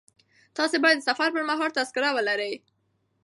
تاسي باید د سفر پر مهال تذکره ولرئ.